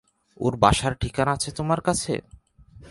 ওর বাসার ঠিকানা আছে তোমার কাছে?